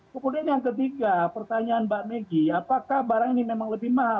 kemudian yang ketiga pertanyaan mbak megi apakah barang ini memang lebih mahal